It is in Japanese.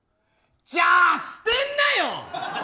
じゃあ、捨てるなよ！